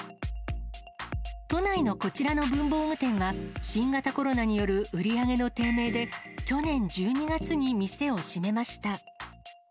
都内のこちらの文房具店は、新型コロナによる売り上げの低迷で、去年１２月に店を閉めました。